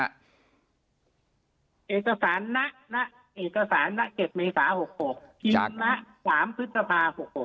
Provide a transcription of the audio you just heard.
เอกสาร๗เมษา๖๖ทิศนะ๓พฤษภา๖๖